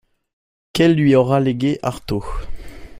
Quel lui aura légué Artaud?